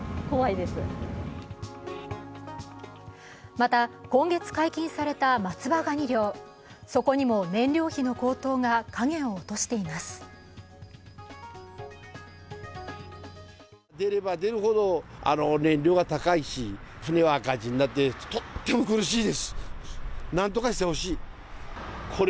また、今月解禁された松葉がに漁そこにも燃料費の高騰が影を落としています。